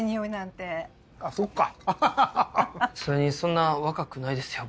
それにそんな若くないですよ